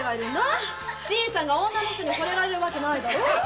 新さんが女の人に惚れられるわけがないだろ。